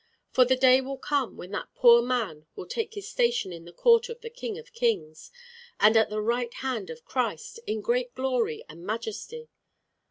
For the day will come when that poor man will take his station in the court of the King of kings, and at the right hand of Christ, in great glory and majesty."